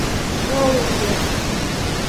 No weni ge.